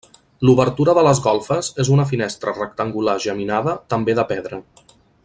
L'obertura de les golfes és una finestra rectangular geminada també de pedra.